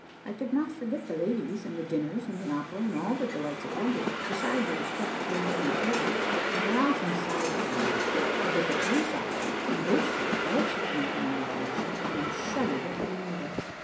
I could not forget the ladies, and the dinners, and the opera, and all the delights of London, beside the respect paid to my title, and I often sighed for them; but the police officer and Bow street also came to my recollection, and I shuddered at the remembrance.